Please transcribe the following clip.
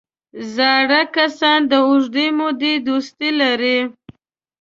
زاړه کسان د اوږدې مودې دوستي لري